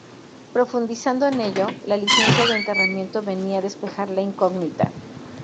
Profundizando en ello, la licencia de enterramiento venía a despejar la incógnita.